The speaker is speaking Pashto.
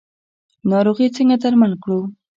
ناروغي څنګه درمل کړو؟